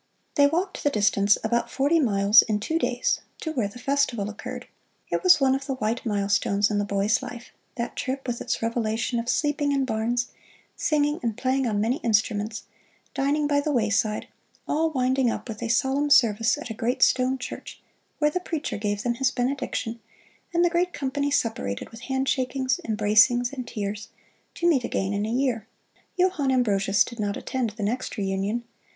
They walked the distance, about forty miles, in two days, to where the festival occurred. It was one of the white milestones in the boy's life that trip with its revelation of sleeping in barns, singing, and playing on many instruments, dining by the wayside, all winding up with a solemn service at a great stone church, where the preacher gave them his benediction, and the great company separated with handshakings, embracings and tears, to meet again in a year. Johann Ambrosius did not attend the next reunion.